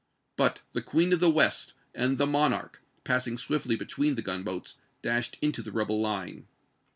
But the Queen of the West and the Monarchy passing swiftly between the gunboats, dashed into the rebel line.